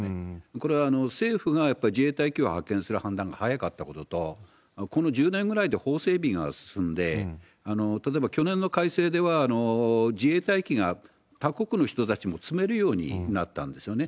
これは、政府がやっぱり自衛隊機を派遣する判断が早かったことと、この１０年ぐらいで法整備が進んで、例えば去年の改正では、自衛隊機が他国の人たちも積めるようになったんですよね。